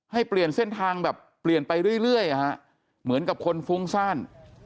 ให้เปลี่ยนเส้นทางแบบเปลี่ยนไปเรื่อยเหมือนกับคนฟุ้งซ่าน